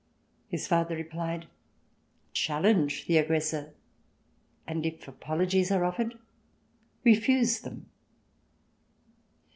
His father repHed : "Challen^^e the aggressor." "And if apologies are offered.^" "Refuse them."